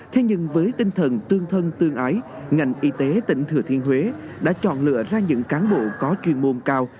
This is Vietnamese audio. thế nhưng với tinh thần tương thân tương ái ngành y tế tỉnh thừa thiên huế đã chọn lựa ra những cán bộ có chuyên môn cao